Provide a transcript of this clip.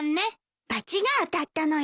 罰が当たったのよ。